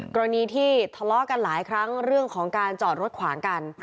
กรณีที่ทะเลาะกันหลายครั้งเรื่องของการจอดรถขวางกัน